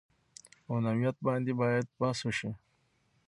او نوعیت باندې باید بحث وشي